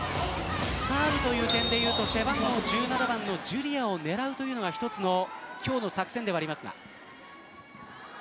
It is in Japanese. サーブという点では背番号１７番のジュリアを狙うというのが１つの今日の作戦ではあります。